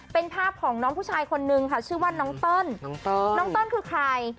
เป็นภาพของน้องผู้ชายคนนึงค่ะชื่อว่าน้องเติ้ลน้องเติ้ลคือใคร